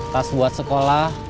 tas buat sekolah